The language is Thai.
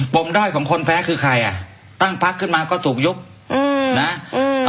ด้อยของคนแพ้คือใครอ่ะตั้งพักขึ้นมาก็ถูกยุบอืมนะอืม